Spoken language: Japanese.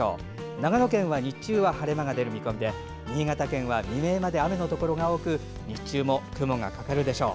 長野県は日中は晴れ間が出る見込みで新潟県は未明まで雨のところが多く日中も雲がかかるでしょう。